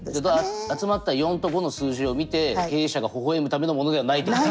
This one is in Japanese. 集まった４と５の数字をみて経営者が微笑むためのものではないってこと。